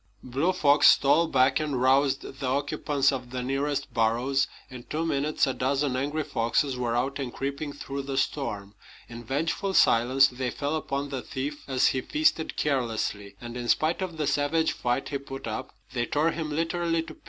Blue Fox stole back and roused the occupants of the nearest burrows. In two minutes a dozen angry foxes were out and creeping through the storm. In vengeful silence they fell upon the thief as he feasted carelessly; and in spite of the savage fight he put up, they tore him literally to pieces.